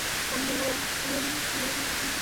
রঙ শ্যামবর্ণ, গোরার রঙের সঙ্গে তাহার কোনোই তুলনা হয় না।